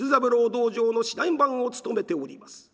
道場の指南番を務めております